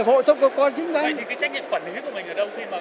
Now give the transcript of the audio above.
vậy thì cái trách nhiệm quản lý của mình là đâu